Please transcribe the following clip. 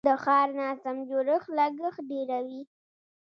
د ښار ناسم جوړښت لګښت ډیروي.